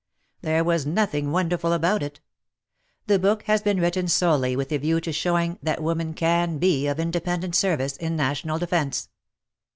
There was nothing wonderful about it. The book has been written solely with a view to showing that women can be of independent service in National Defence.